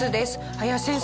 林先生